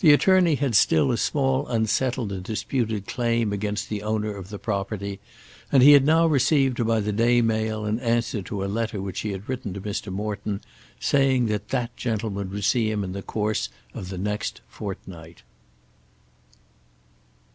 The attorney had still a small unsettled and disputed claim against the owner of the property, and he had now received by the day mail an answer to a letter which he had written to Mr. Morton, saying that that gentleman would see him in the course of the next fortnight.